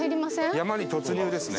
山に突入ですね。